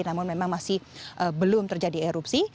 namun memang masih belum terjadi erupsi